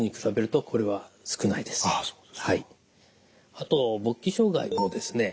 あと勃起障害もですね